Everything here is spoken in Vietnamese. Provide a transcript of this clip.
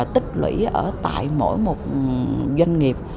tích lũy ở tại mỗi một doanh nghiệp